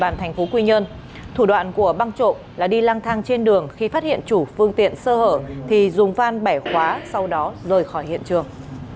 nhân thủ đoạn của băng trộm là đi lang thang trên đường khi phát hiện chủ phương tiện sơ hở thì dùng van bẻ khóa sau đó rời khỏi hiện trường